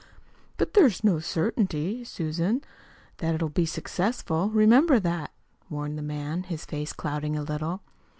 "But there's no certainty, Susan, that it'll be successful; remember that," warned the man, his face clouding a little.